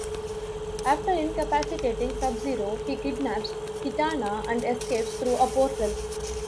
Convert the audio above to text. After incapacitating Sub-Zero, he kidnaps Kitana and escapes through a portal.